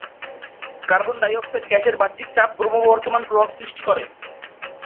Carbon dioxide গ্যাসের বাহ্যিক চাপ ক্রমবর্ধমান প্রভাব সৃষ্টি করে।